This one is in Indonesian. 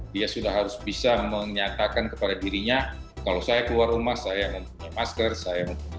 dia sudah harus bisa menyatakan kepada dirinya kalau saya keluar rumah saya mau punya masker saya mau punya sanitar